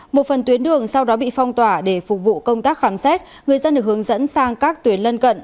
một phần tuyến đường sau đó bị phong tỏa để phục vụ công tác khám xét người dân được hướng dẫn sang các tuyến lân cận